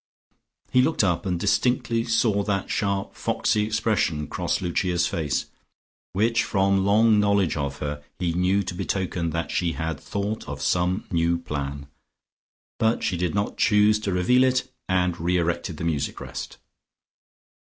He looked up and distinctly saw that sharp foxy expression cross Lucia's face, which from long knowledge of her he knew to betoken that she had thought of some new plan. But she did not choose to reveal it and re erected the music rest.